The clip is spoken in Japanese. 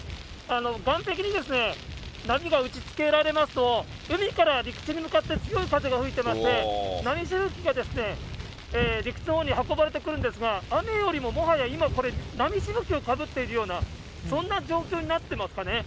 岸壁に波が打ちつけられますと、海から陸地に向かって強い風が吹いてまして、波しぶきが陸地のほうに運ばれてくるんですが、雨よりももはや今、波しぶきをかぶっているような、そんな状況になってますかね。